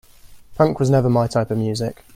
Punk was never my type of music.